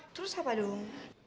terus apa dong